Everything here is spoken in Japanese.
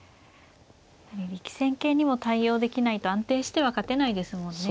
力戦形にも対応できないと安定しては勝てないですもんね。